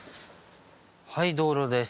はい道路です。